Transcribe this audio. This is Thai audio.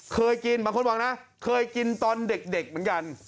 เคยกินบางคนบอกนะเคยกินตอนเด็กเหมือนกัน